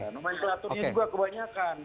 nomor insulaturnya juga kebanyakan